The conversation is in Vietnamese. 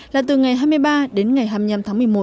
là từ ngày hai mươi ba đến ngày hai mươi năm tháng một mươi một